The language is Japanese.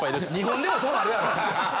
２本でもそうなるやろ。